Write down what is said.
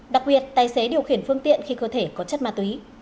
đặc biệt tài xế điều khiển phương tiện khi cơ thể có chất ma túy